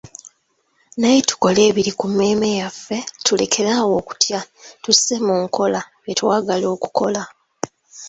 Naye tukole ebiri ku mmeeme yaffe, tulekere awo okutya tusse mu nkola bye twagala okukola